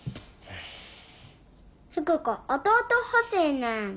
福子弟欲しいねん。